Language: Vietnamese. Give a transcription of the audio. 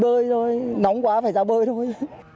bơi thôi nóng quá phải ra bơi thôi